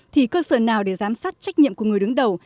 thì cơ sở nào để giám sát trách nhiệm của người đứng đầu